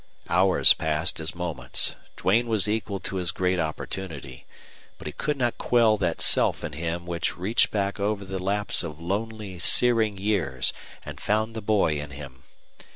Hours passed as moments. Duane was equal to his great opportunity. But he could not quell that self in him which reached back over the lapse of lonely, searing years and found the boy in him.